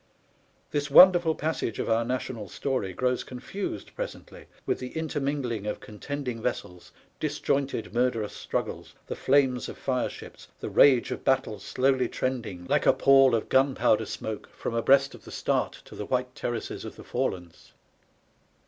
This wonderful passage of our national story grows confused presently with the intermingling of contending vessels, disjointed murderous struggles, the flames of fire ships, the rage of battle slowly trending, .like a pall of gunpowder smoke, from abreast of the Start to the white terraces of the Forelands.